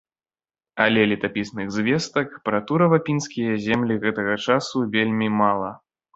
Але летапісных звестак пра турава-пінскія землі гэтага часу вельмі мала.